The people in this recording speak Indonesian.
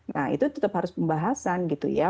nah itu tetap harus pembahasan gitu ya